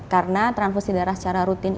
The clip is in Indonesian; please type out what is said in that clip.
karena transfusi darah secara rutin